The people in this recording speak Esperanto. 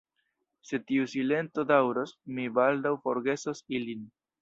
Se tiu silento daŭros, mi baldaŭ forgesos ilin.